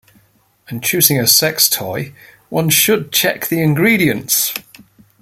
When choosing a sex toy, one should check the ingredients.